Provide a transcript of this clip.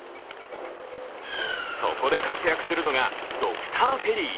そこで活躍するのがドクターフェリー。